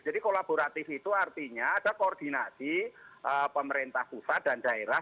jadi kolaboratif itu artinya ada koordinasi pemerintah pusat dan daerah